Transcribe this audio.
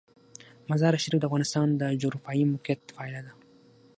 مزارشریف د افغانستان د جغرافیایي موقیعت پایله ده.